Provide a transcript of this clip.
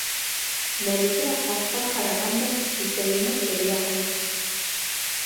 Мәликә аҫҡа ҡараған да түтәйенә сәй яһай.